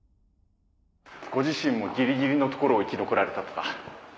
ご自身もギリギリのところを生き残られたとか。